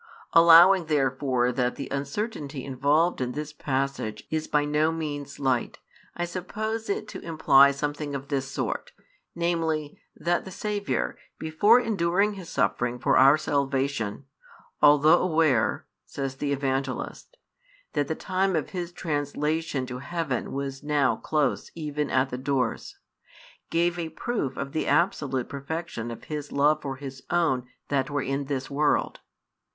Allowing therefore that the uncertainty involved in this passage is by no means slight, I suppose it to imply something of this sort, namely, that the Saviour, before enduring His suffering for our salvation, although aware (says the Evangelist) that the time of His translation to heaven was now close even at the doors, gave a proof of the absolute perfection of His love for His own that were in this world.